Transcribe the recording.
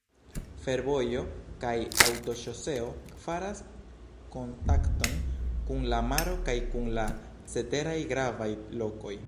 Fervojo kaj aŭtoŝoseo faras kontakton kun la maro kaj kun la ceteraj gravaj lokoj.